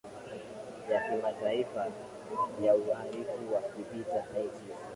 ya kimataifa ya uhalifu wa kivita icc